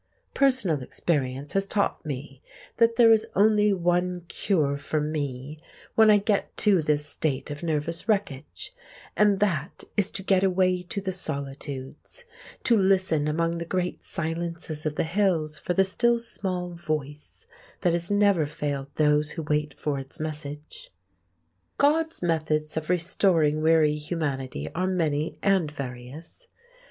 Personal experience has taught me that there is only one cure for me when I get to this state of nervous wreckage; and that is to get away to the solitudes; to listen among the great silences of the hills for the still small Voice that has never failed those who wait for its Message. God's methods of restoring weary humanity are many and various.